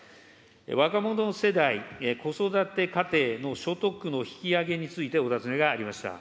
若者世代、子育て家庭の所得の引き上げについてお尋ねがありました。